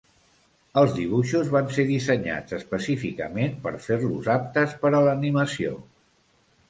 Els dibuixos van ser dissenyats específicament per fer-los aptes per a l'animació.